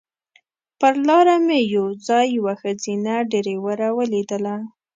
پر لاره مې یو ځای یوه ښځینه ډریوره ولیدله.